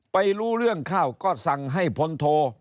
รู้เรื่องเข้าก็สั่งให้พลโท